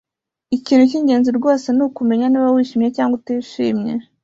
Ikintu cyingenzi rwose nukumenya niba wishimye cyangwa utishimye.